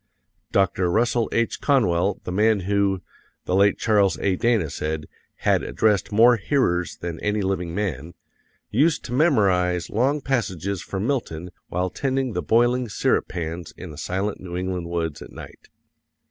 Dr. Russell H. Conwell, the man who, the late Charles A. Dana said, had addressed more hearers than any living man, used to memorize long passages from Milton while tending the boiling syrup pans in the silent New England woods at night.